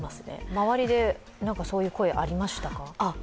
周りでそういう声ありましたか？